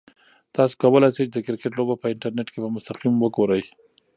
تاسو کولای شئ چې د کرکټ لوبه په انټرنیټ کې په مستقیم وګورئ.